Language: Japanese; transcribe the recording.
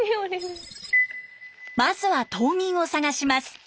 まずは島民を探します。